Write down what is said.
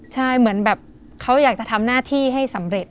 ใช่เหมือนแบบเขาอยากจะทำหน้าที่ให้สำเร็จ